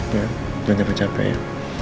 jangan capek capek ya